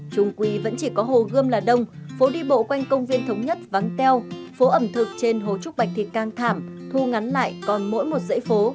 trung quy vẫn chỉ có hồ gươm là đông phố đi bộ quanh công viên thống nhất vắng teo phố ẩm thực trên hồ trúc bạch thì càng thảm thu ngắn lại còn mỗi một dãy phố